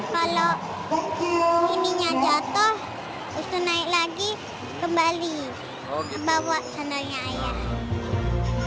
soalnya kalau mininya jatuh terus naik lagi kembali bawa sandalnya ayah